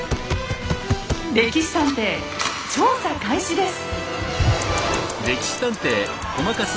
「歴史探偵」調査開始です！